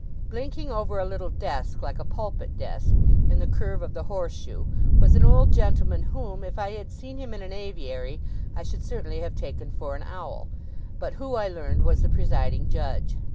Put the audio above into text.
Blinking over a little desk like a pulpit desk, in the curve of the horse shoe, was an old gentleman, whom, if I had seen him in an aviary, I should certainly have taken for an owl, but who, I learned, was the presiding judge.